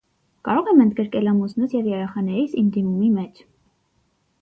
Կարո՞ղ եմ ընդգրկել ամուսնուս եւ երեխաներիս իմ դիմումի մեջ: